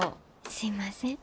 すいません。